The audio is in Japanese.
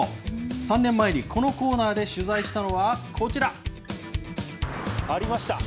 ３年前にこのコーナーで取材したのはこちら。ありました。